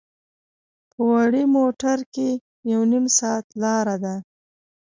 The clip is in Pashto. په وړې موټر کې یو نیم ساعت لاره ده.